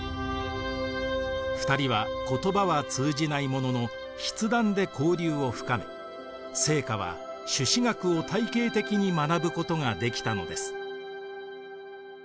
２人は言葉は通じないものの筆談で交流を深め惺窩は朱子学を体系的に学ぶことができたのです。